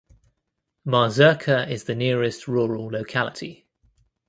Mazurka is the nearest rural locality.